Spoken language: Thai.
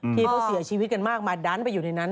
ที่เขาเสียชีวิตกันมากมาดันไปอยู่ในนั้น